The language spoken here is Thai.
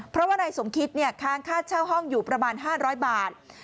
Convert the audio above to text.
เพราะว่านายสมคิตค้างค่าเช่าห้องอยู่ประมาณ๕๐๐บาท